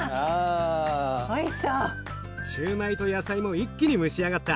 シューマイと野菜も一気に蒸し上がった。